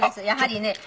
やはりね。